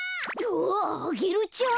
うわっアゲルちゃん。